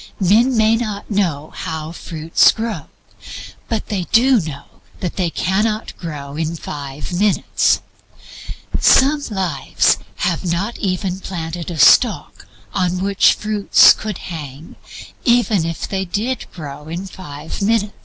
Men may not know how fruits grow, but they do know that they cannot grow in an hour. Some lives have not even a stalk on which fruits could hang, even if they did grow in an hour.